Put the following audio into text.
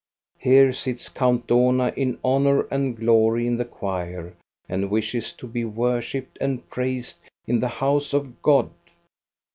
Here sits Count Dohna in honor and glory in the choir and wishes to be worshipped and praised in the house of God.